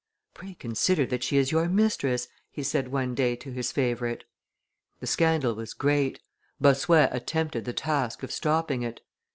"Pray consider that she is your mistress," he said one day to his favorite. The scandal was great; Bossuet attempted the task of stopping it.